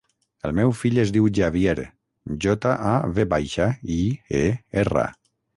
El meu fill es diu Javier: jota, a, ve baixa, i, e, erra.